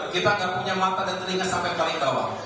kita akan punya mata dan telinga sampai paling bawah